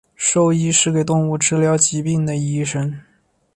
兽医是给动物治疗疾病的医生。